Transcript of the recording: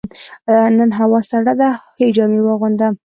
نن هوا سړه ده، ښه جامې واغونده.